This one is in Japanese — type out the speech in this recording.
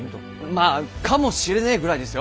まぁかもしれねえぐらいですよ。